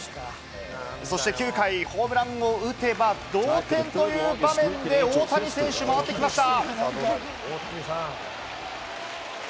そして９回、ホームランを打てば同点という場面で大谷選手に回ってきました。